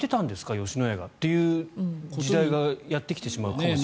吉野家がという時代がやってきてしまうかもしれない。